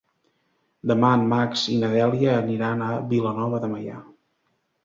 Demà en Max i na Dèlia aniran a Vilanova de Meià.